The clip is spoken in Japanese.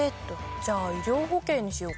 じゃあ医療保険にしようかな。